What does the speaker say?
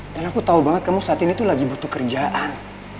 dan aku tau banget kamu saat ini tuh lagi butuh kerjaan